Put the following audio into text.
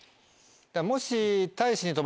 もし。